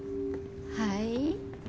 はい？